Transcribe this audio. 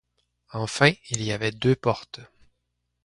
Enfin il y avait deux portes.